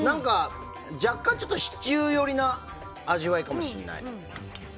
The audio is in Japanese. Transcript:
若干シチュー寄りな味わいかも。